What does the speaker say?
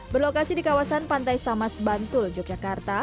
berlokasi di kawasan pantai samas bantul yogyakarta